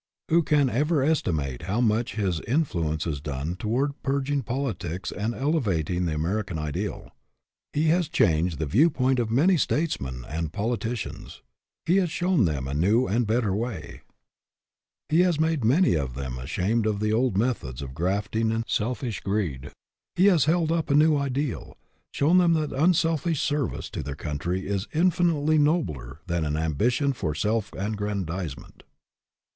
Who can ever estimate how much his in fluence has done toward purging politics and elevating the American ideal. He has changed the view point of many statesmen and poli ticians. He has shown them a new and a bet ter way. He has made many of them ashamed 136 STAND FOR SOMETHING of the old methods of grafting and selfish greed. He has held up a new ideal, shown them that unselfish service to their country is infinitely nobler than an ambition for self aggrandizement.